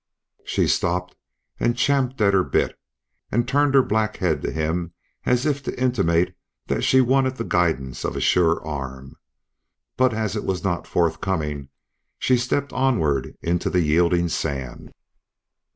She stopped and champed her bit, and turned her black head to him as if to intimate that she wanted the guidance of a sure arm. But as it was not forthcoming she stepped onward into the yielding sand.